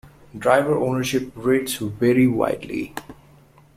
Driver-ownership rates vary widely.